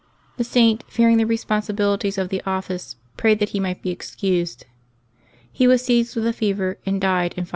The Saint, fearing the responsibilities of the office, prayed that he might be excused. He was seized with a fever, and died in 575.